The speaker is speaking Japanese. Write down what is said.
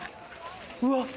うわっ！